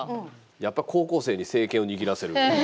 やっぱり「高校生に政権を握らせる」という。